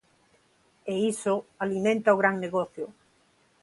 E iso alimenta o gran negocio.